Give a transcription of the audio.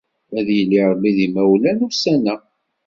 Ad yili Rebbi d yimawlan ussan-a!